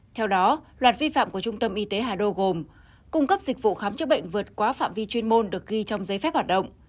theo đó luật vi phạm của trung tâm y tế hà đô gồm cung cấp dịch vụ khám chữa bệnh vượt quá phạm vi chuyên môn được ghi trong giấy phép hoạt động